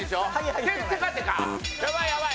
やばいやばい。